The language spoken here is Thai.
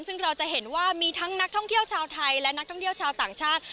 ซึ่งเราจะเห็นว่ามีทั้งนักท่องเที่ยวชาวไทยและนักท่องเที่ยวชาวต่างชาติ